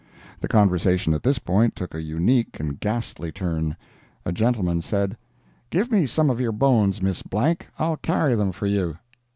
The conversation at this point took a unique and ghastly turn. A gentleman said: "Give me some of your bones, Miss Blank; I'll carry them for you."